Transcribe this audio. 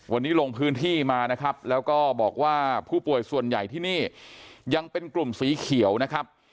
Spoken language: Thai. วันนี้ลงพื้นที่มานะครับแล้วก็บอกว่าผู้ป่วยส่วนใหญ่ที่นี่ยังเป็นกลุ่มสีเขียวนะครับ